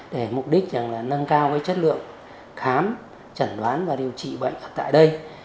để mục đích là nâng cao cái chất lượng khám chẩn đoán và điều trị bệnh ở tại đây